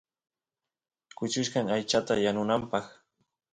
kuchuchkan aychata yanunapaq